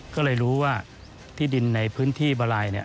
ก็เลยรู้ว่าที่ดินในพื้นที่บาลัยเนี่ย